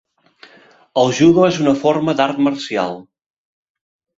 El judo és una forma d'art marcial.